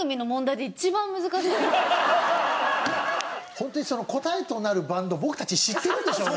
ホントに答えとなるバンド僕たち知ってるんでしょうね？